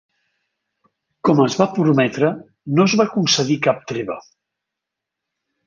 Com es va prometre, no es va concedir cap treva.